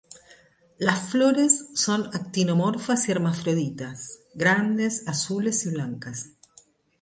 Las flores son actinomorfas y hermafroditas, grandes, azules o blancas.